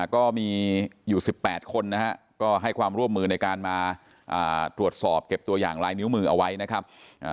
ก็มีอยู่๑๘คนนะฮะก็ให้ความร่วมมือในการมาตรวจสอบเก็บตัวอย่างลายนิ้วมือเอาไว้นะครับ